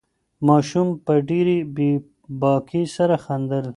ماشوم په ډېرې بې باکۍ سره خندل.